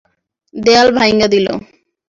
দেয়াল ভাইঙা দিলো।